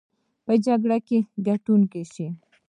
په جګړه کې ګټونکي شي.